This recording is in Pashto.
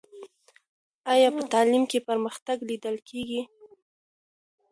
آیا په تعلیم کې پرمختګ لیدل کېږي؟